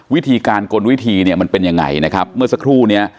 วิธีการกลวิธีเนี่ยมันเป็นยังไงนะครับเมื่อสักครู่เนี้ย